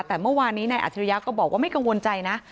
แต่เมื่อวานนี้นายอัจฉริยะก็บอกว่าไม่กังวลใจนะ